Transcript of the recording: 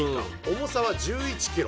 重さは１１キロ。